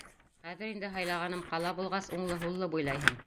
Хәҙер инде Һайлағаным ҡала булғас, Уңлы-һуллы буйлайһың!